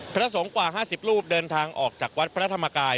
พระสงฆ์กว่า๕๐รูปเดินทางออกจากวัดพระธรรมกาย